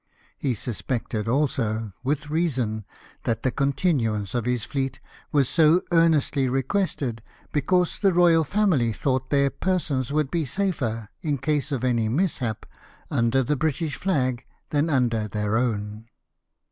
He suspected also, with reason, that the continuance of his fleet was so earnestly requested because the royal family thought their persons would be safer, in case of any mishap, under the British flag than under their own.